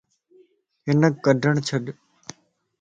ھنک ڪڏڻ ڇڏ